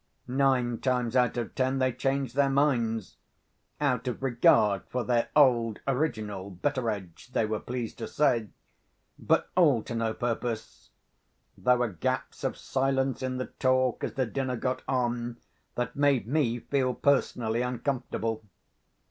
Nine times out of ten they changed their minds—out of regard for their old original Betteredge, they were pleased to say—but all to no purpose. There were gaps of silence in the talk, as the dinner got on, that made me feel personally uncomfortable.